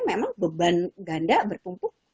memang beban ganda bertumpu